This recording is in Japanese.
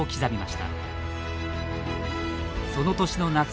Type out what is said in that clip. その年の夏